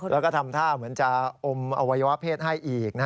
แล้วก็ทำท่าเหมือนจะอมอวัยวะเพศให้อีก